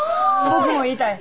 僕も言いたい。